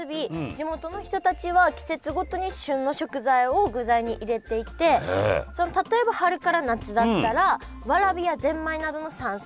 地元の人たちは季節ごとに旬の食材を具材に入れていて例えば春から夏だったらわらびやぜんまいなどの山菜。